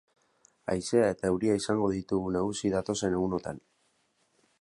Haizea eta euria izango ditugu nagusi datozen egunotan.